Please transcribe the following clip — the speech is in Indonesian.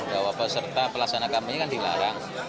bahwa peserta pelaksana kampanye kan dilarang